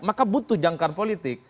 maka butuh jangkar politik